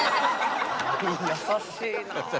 優しいなあ。